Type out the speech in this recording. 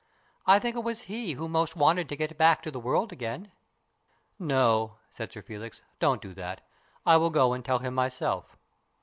I think it was he who most wanted to get back to the world again." " No," said Sir Felix. " Don't do that. I will go and tell him myself."